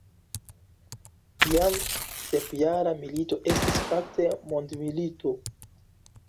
Jam sepjara milito estis fakte mondmilito.